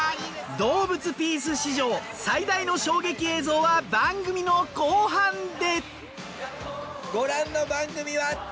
『どうぶつピース！！』史上最大の衝撃映像は番組の後半で！